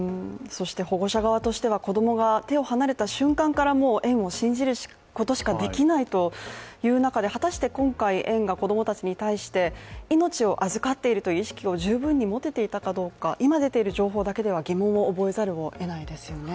保護者側としては子供が手を離れた瞬間から園を信じることしかできないという中で、果たして今回、園が子供たちに対して命を預かっているという意識を十分に持てていたかどうか今出ている情報だけでは疑問を覚えざるをえないですよね。